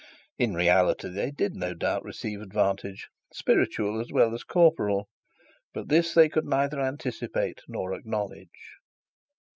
In reality they did no doubt receive advantage, spiritual as well as corporal; but this they could neither anticipate nor acknowledge.